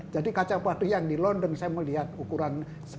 jadi kaca padi yang di london saya melihat ukuran sembilan puluh x satu ratus dua puluh